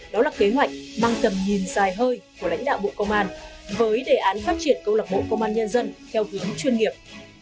đó là kế hoạch mang tầm nhìn dài hơi của lãnh đạo bộ công an với đề án phát triển công lạc bộ công an nhân dân theo hướng chuyên nghiệp